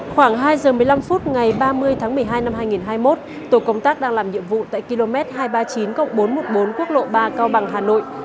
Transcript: khoảng hai giờ một mươi năm phút ngày ba mươi tháng một mươi hai năm hai nghìn hai mươi một tổ công tác đang làm nhiệm vụ tại km hai trăm ba mươi chín bốn trăm một mươi bốn quốc lộ ba cao bằng hà nội